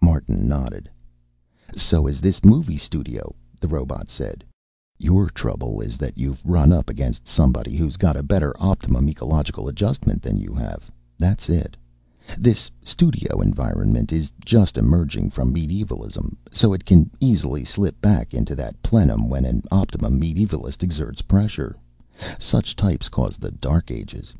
Martin nodded. "So is this movie studio," the robot said. "Your trouble is that you've run up against somebody who's got a better optimum ecological adjustment than you have. That's it. This studio environment is just emerging from medievalism, so it can easily slip back into that plenum when an optimum medievalist exerts pressure. Such types caused the Dark Ages.